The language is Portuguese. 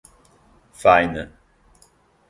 Faina